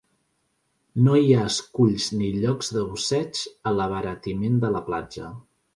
No hi ha esculls ni llocs de busseig a l'abaratiment de la platja.